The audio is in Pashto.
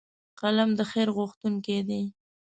قلم د خیر غوښتونکی دی